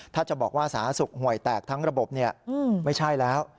ถ้าจะบอกว่าสาธารณสุขหวยแตกทั้งระบบไม่ใช่แล้ว